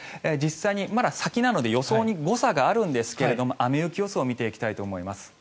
まだ先なので予想に誤差があるんですが雨・雪予想を見ていきたいと思います。